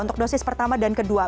untuk dosis pertama dan kedua